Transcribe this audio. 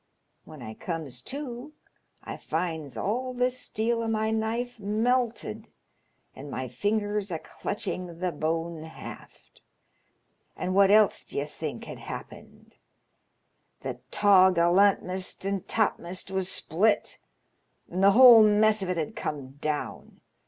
When I comes to I finds all the steel o' my knife melted, and my fingers a clutching the bone haft. An' what else d'ye think had happened? The taw gallantm'st and topm'st was split, and the whole mess of it had come down.